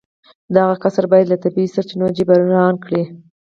دغه کسر باید له طبیعي سرچینو جبران کړي